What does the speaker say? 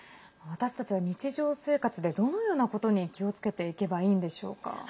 私たちは日常生活でどのようなことに気をつけていけばいいんでしょうか？